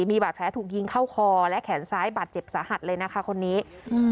มีบาดแผลถูกยิงเข้าคอและแขนซ้ายบาดเจ็บสาหัสเลยนะคะคนนี้อืม